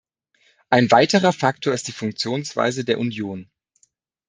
Ein weiterer Faktor ist die Funktionsweise der Union.